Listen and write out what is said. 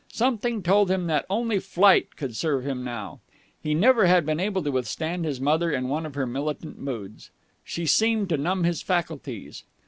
Something told him that only flight could serve him now. He never had been able to withstand his mother in one of her militant moods. She seemed to numb his faculties.